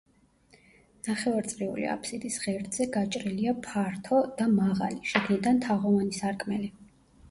ნახევარწრიული აფსიდის ღერძზე გაჭრილია ფართო და მაღალი, შიგნიდან თაღოვანი სარკმელი.